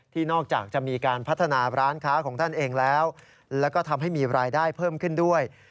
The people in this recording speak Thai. นอกจากจะมีการพัฒนาร้านค้าของท่านเองแล้วแล้วก็ทำให้มีรายได้เพิ่มขึ้นด้วย